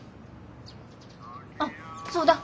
あっそうだ。